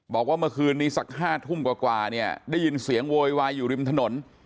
บอกว่าเมื่อคืนนี้สัก๕ทุ่มกว่าเนี่ยได้ยินเสียงโวยวายอยู่ริมถนน